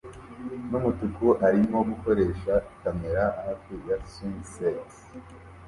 n umutuku arimo gukoresha kamera hafi ya swing set